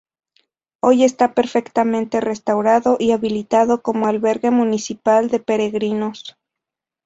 Hoy está perfectamente restaurado y habilitado como albergue municipal de peregrinos.